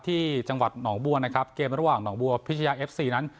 ที่จังหวัดหนองบัวนะครับเกมระหว่างหนองบัวพิชยาเอฟซีนั้น